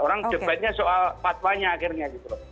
orang debatnya soal fatwanya akhirnya gitu loh